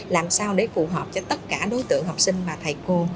làm sao để phù hợp cho tất cả đối tượng học sinh và thầy cô